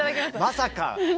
まさかの。